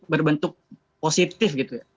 berbentuk positif gitu ya